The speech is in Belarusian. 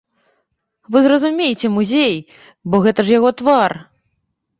Вы зразумейце музей, бо гэта ж яго твар!